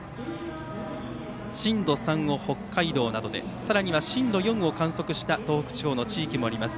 震度３を北海道などでさらには震度４を観測した東北地方の地域もあります。